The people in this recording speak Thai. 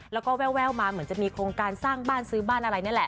แล้วก็แววมาเหมือนจะมีโครงการสร้างบ้านซื้อบ้านอะไรนั่นแหละ